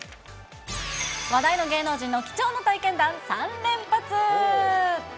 話題の芸能人の貴重な体験談３連発ー。